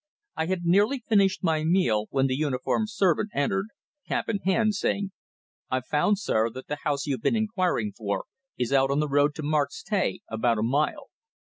I had nearly finished my meal when the uniformed servant entered, cap in hand, saying: "I've found, sir, that the house you've been inquiring for is out on the road to Marks Tey, about a mile.